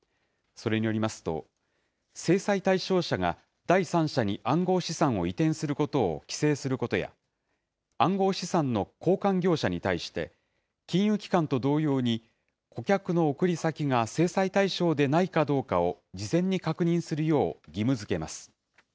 それによりますと、制裁対象者が第三者に暗号資産を移転することを規制することや、暗号資産の交換業者に対して、金融機関と同様に、顧客の送り先が制裁対象でないかどうかを事前に確認するよう義務づけます。